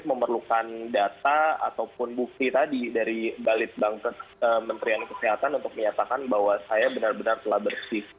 saya memerlukan data ataupun bukti tadi dari balit bank menteri kesehatan untuk menyatakan bahwa saya benar benar telah bersih